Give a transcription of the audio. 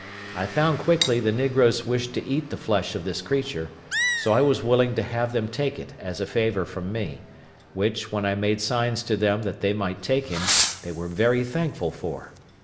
I found quickly the negroes wished to eat the flesh of this creature, so I was willing to have them take it as a favour from me; which, when I made signs to them that they might take him, they were very thankful for.